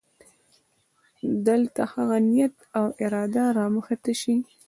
دلته هغه نیت او اراده رامخې ته شي.